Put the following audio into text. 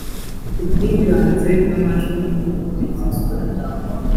ubwiganze bwa majwi nibwobukurikizwa.